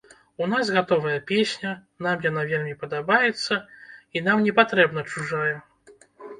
У нас гатовая песня, нам яна вельмі падабаецца і нам не патрэбна чужая.